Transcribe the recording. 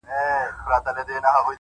باد را الوتی. له شبِ ستان دی.